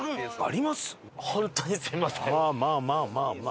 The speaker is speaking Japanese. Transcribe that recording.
まあまあまあまあまあ。